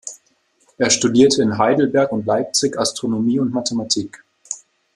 Er studierte in Heidelberg und Leipzig Astronomie und Mathematik.